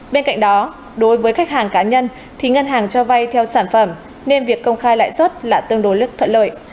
bên cạnh đó đối với khách hàng cá nhân thì ngân hàng cho vay theo sản phẩm nên việc công khai lãi suất là tương đối lức thuận lợi